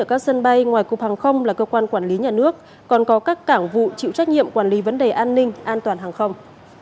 ở các sân bay ngoài cục hàng không là cơ quan quản lý nhà nước còn có các cảng vụ chịu trách nhiệm quản lý vấn đề an ninh an toàn hàng không